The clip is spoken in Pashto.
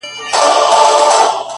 وه كلي ته زموږ راځي مـلـنگه ككـرۍ.